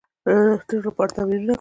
زه د سترګو لپاره تمرینونه کوم.